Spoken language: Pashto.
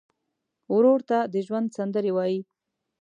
ورور ته د ژوند سندرې وایې.